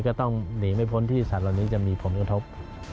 ก็ต้องหนีไม่พ้นที่สัตว์เหล่านี้จะมีผลกระทบ